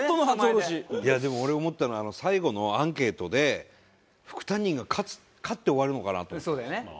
いやでも俺思ったのは最後のアンケートで副担任が勝つ勝って終わるのかなと思ったんです。